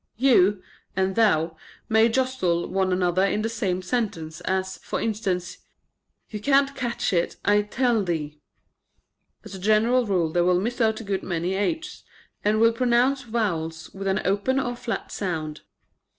"You" and "thou" may jostle one another in the same sentence, as, for instance :" You can't catch it, I tell thee." As a general rule they will miss out a good many " h's," and will pronounce vowels with an open or flat sound.